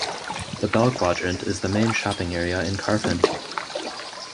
The Bell Quadrant is the main shopping area in Carfin.